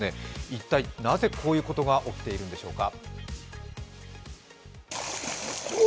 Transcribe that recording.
一体なぜこういうことが起きているんでしょうか。